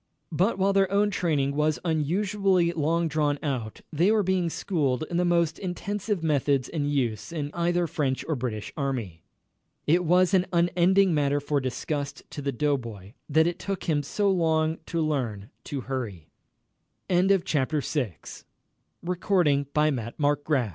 But while their own training was unusually long drawn out, they were being schooled in the most intensive methods in use in either French or British Army. It was an unending matter for disgust to the doughboy that it took him so long to learn to hurry. CHAPTER VII SPEEDING UP While the soldiers wer